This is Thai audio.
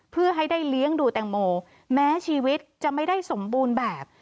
เพื่อให้ได้เลี้ยงดูแตงโมแม้ชีวิตจะไม่ได้สมบูรณ์แบบ